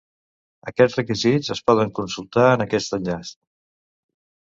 Aquests requisits es poden consultar en aquest enllaç.